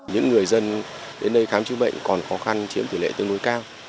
những người dân đến đây khám chữa bệnh còn khó khăn chiếm tỷ lệ tương đối cao